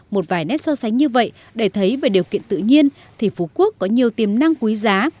một vài nét so sánh như vậy để thấy về điều kiện tự nhiên thì phú quốc có nhiều tiềm năng quý giá